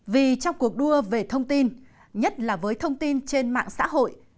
vì trong cuộc đua về thông tin nhất là với thông tin trên mạng xã hội